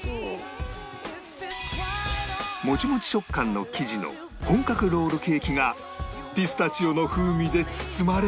モチモチ食感の生地の本格ロールケーキがピスタチオの風味で包まれる